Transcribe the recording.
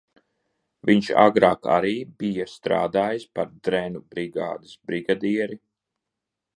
Viņš agrāk arī bija strādājis par drenu brigādes brigadieri.